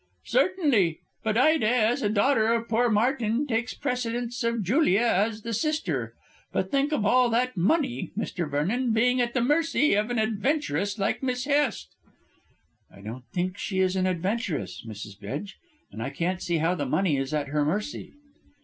"Certainly; but Ida, as a daughter of poor Martin, takes precedence of Julia as the sister. But think of all that money, Mr. Vernon, being at the mercy of an adventuress like Miss Hest." "I don't think she is an adventuress, Mrs. Bedge, and I can't see how the money is at her mercy."